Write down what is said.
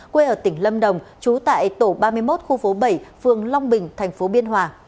quê ở tỉnh lâm đồng trú tại tổ ba mươi một khu phố bảy phường long bình thành phố biên hòa